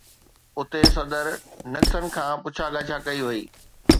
اتي صدر نڪسن کان پڇا ڳاڇا ڪئي وئي.